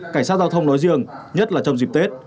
cảnh sát giao thông nói riêng nhất là trong dịp tết